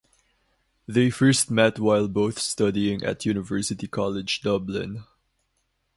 They first met while both studying at University College Dublin.